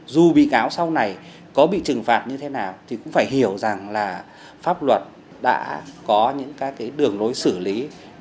dù bị cáo sau này có bị trừng phạt như thế nào thì cũng phải hiểu rằng là pháp luật đã có những các cái đường lối xử lý